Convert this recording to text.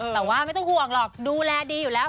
แต่ว่าไม่ต้องห่วงหรอกดูแลดีอยู่แล้ว